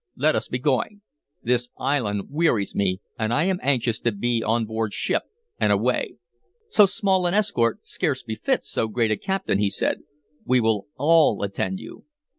Let us be going! This island wearies me, and I am anxious to be on board ship and away." "So small an escort scarce befits so great a captain," he said. "We will all attend you."